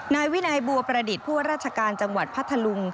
นายวินัยบัวประดิษฐ์ผู้ว่าราชการจังหวัดพัทธลุง